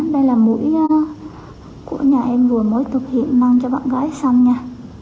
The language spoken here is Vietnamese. đây là mũi của nhà em vừa mới thực hiện mang cho bạn gái xong nha